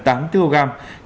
trọng lượng là gần tám kg